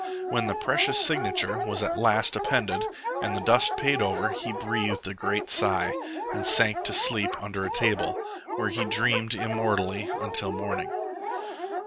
When the precious signature was at last appended and the dust paid over, he breathed a great sigh, and sank to sleep under a table, where he dreamed immortally until morning.